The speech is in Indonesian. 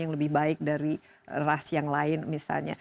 yang lebih baik dari ras yang lain misalnya